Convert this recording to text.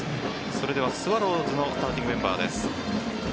それではスワローズのスターティングメンバーです。